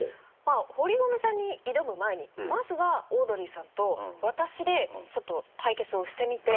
堀籠さんに挑む前にまずはオードリーさんと私でちょっと対決をしてみて。